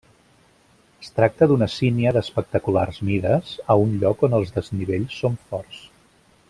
Es tracta d'una sínia d'espectaculars mides, a un lloc on els desnivells són forts.